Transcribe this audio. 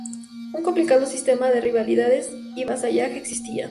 Un complicado sistema de rivalidades y vasallaje existía.